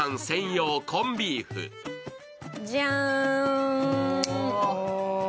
じゃーん。